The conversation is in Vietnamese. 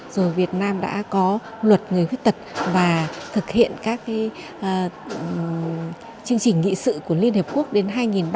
rồi việt nam đã có luật người khuyết tật và thực hiện các chương trình nghị sự của liên hợp quốc đến hai nghìn ba mươi